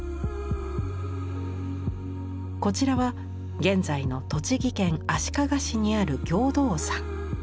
こちらは現在の栃木県足利市にある行道山。